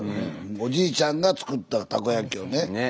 おじいちゃんが作ったたこ焼きをね。ね。